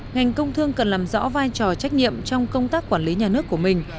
ngành công thương cần làm rõ vai trò trách nhiệm trong công tác quản lý nhà nước của mình